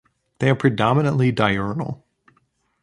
They are predominantly diurnal.